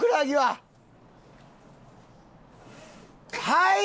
はい！